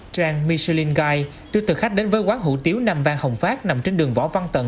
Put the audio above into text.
trang michelin guide đưa thực khách đến với quán hủ tiếu nam vang hồng phát nằm trên đường võ văn tận